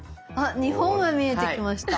日本が見えてきました。